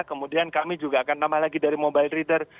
kemudian kami juga akan tambah lagi dari mobile reader